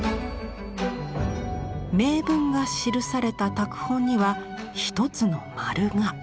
銘文が記された拓本には一つのまるが。